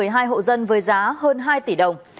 một mươi hai hộ dân với giá hơn hai tỷ đồng